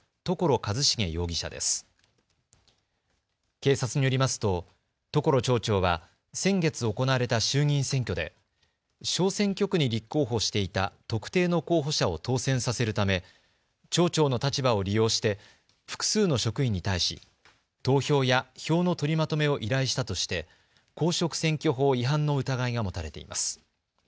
警察によりますと所町長は先月行われた衆議院選挙で小選挙区に立候補していた特定の候補者を当選させるため町長の立場を利用して複数の職員に対し投票や票の取りまとめを依頼したとして公職選挙法違反の疑いが持たれています。